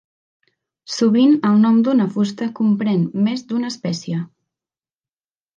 Sovint el nom d'una fusta comprèn més d'una espècie.